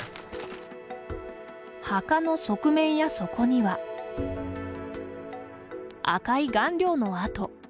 墓の側面や底には赤い顔料の跡。